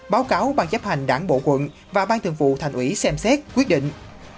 báo cáo ban chấp hành đảng bộ quận và ban thường vụ thành ủy xem xét quyết định